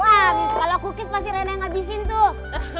wah kalau cookies pasti rena yang abisin tuh